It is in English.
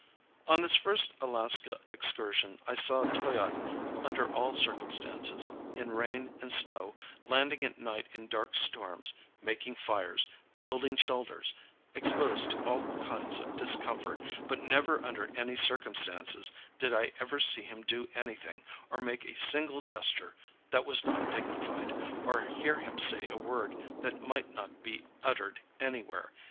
On this first Alaska excursion I saw Toyatte under all circumstances,—in rain and snow, landing at night in dark storms, making fires, building shelters, exposed to all kinds of discomfort, but never under any circumstances did I ever see him do anything, or make a single gesture, that was not dignified, or hear him say a word that might not be uttered anywhere.